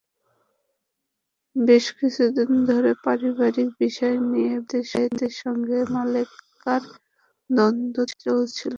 বেশ কিছুদিন ধরে পারিবারিক বিষয় নিয়ে বেলায়েতের সঙ্গে মালেকার দ্বন্দ্ব চলছিল।